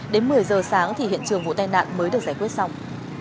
đến một mươi giờ sáng thì hiện trường vụ tai nạn mới được giải quyết xong